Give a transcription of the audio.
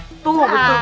tunggu betul banget